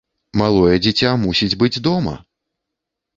Малое дзіця мусіць быць дома!